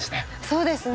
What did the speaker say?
そうですよ！